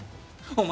お前